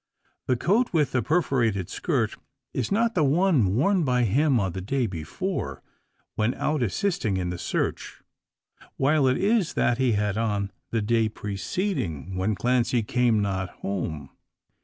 The coat, with the perforated skirt, is not the one worn by him on the day before, when out assisting in the search; while it is that he had on, the day preceding, when Clancy came not home.